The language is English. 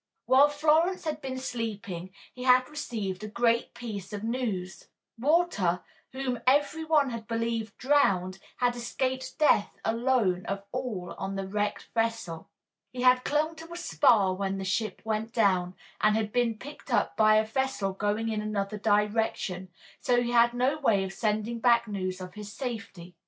While Florence had been sleeping he had received a great piece of news: Walter, whom every one had believed drowned, had escaped death alone of all on the wrecked vessel. He had clung to a spar when the ship went down, and had been picked up by a vessel going in another direction, so he had had no way of sending back news of his safety.